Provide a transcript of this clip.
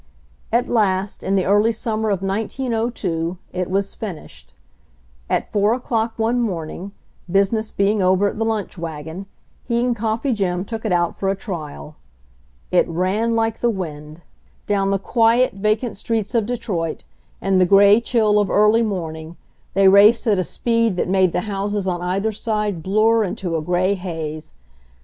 At last, in the early summer of 1902, it was finished. At 4 o'clock one morn ing, business being over at the lunch wagon, he and Coffee Jim took it out for a trial. It ran like the wind. Down the quiet, vacmt 106 HENRY FORD'S OWN STORY streets of Detroit, in the gray chill of early morn ing, they raced at a speed that made the houses on either side blur into a gray haze.